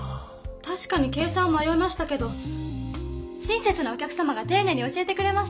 たしかに計算をまよいましたけど親切なお客様がていねいに教えてくれました。